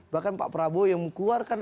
bahkan pak prabowo yang mengeluarkan